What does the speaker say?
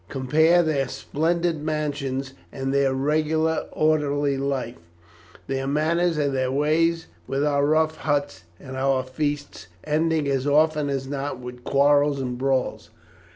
Compare their splendid mansions and their regular orderly life, their manners and their ways, with our rough huts, and our feasts, ending as often as not with quarrels and brawls.